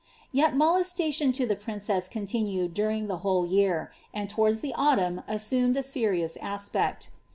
Yet molesta tion to the princesss continued during the whole year, and towards the autumn assumed a serious aspect.